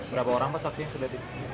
berapa orang pak saksinya sudah di